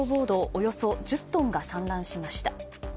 およそ１０トンが散乱しました。